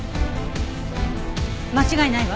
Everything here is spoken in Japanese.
間違いないわ。